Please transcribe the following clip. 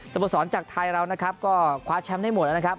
สมุดสอนจากไทยเรานะครับก็ให้หมดแล้วนะครับ